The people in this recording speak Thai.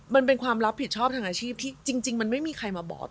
มันเป็นความรับผิดชอบทางอาชีพที่จริงมันไม่มีใครมาบอก